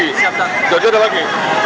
di situ arjo ada lagi